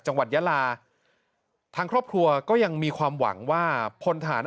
จังหวัดยาลาทางครอบครัวก็ยังมีความหวังว่าพลฐาน